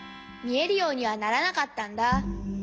みえるようにはならなかったんだ。